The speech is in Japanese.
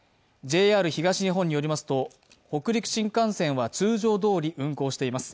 ＪＲ東日本によりますと、北陸新幹線は通常どおり運行しています。